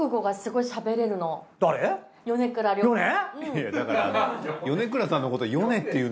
いやだから。